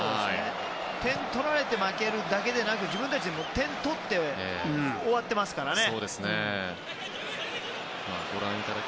点を取られて負けるだけではなく自分たちで点を取って終わってますからね。